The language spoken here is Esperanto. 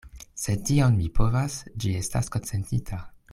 Se tion mi povas, ĝi estas konsentita.